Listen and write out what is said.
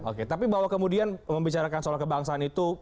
oke tapi bahwa kemudian membicarakan soal kebangsaan itu